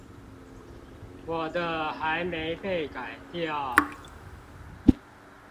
我的還沒被改掉